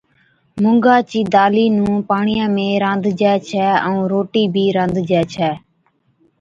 مُونگا چِي دالِي نُون پاڻِيا ۾ رانڌجَي ڇَي ائُون روٽِي بِي رانڌجَي ڇَي